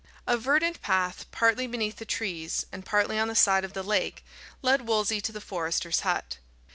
A verdant path, partly beneath the trees, and partly on the side of the lake, led Wolsey to the forester's hut.